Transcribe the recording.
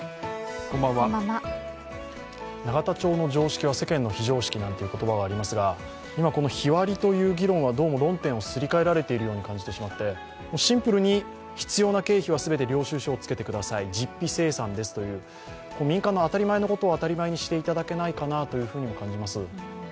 永田町の常識は世間の非常識なんて言葉がありますが、今、この日割りという議論はどうも論点をすり替えられてしまっているように感じてしまってシンプルに必要な経費は領収書をつけてください、実費精算ですという民間の当たり前のことを当たり前にしていただけないかなと思います。